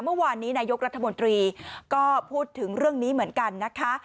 เมื่อวานนี้นายกรัฐมนตรีก็พูดถึงเรื่องนี้เหมือนกันนะคะ